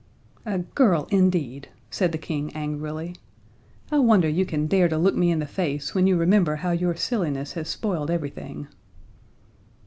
"A girl indeed!" said the King angrily. "I wonder you can dare to look me in the face, when you remember how your silliness has spoiled everything."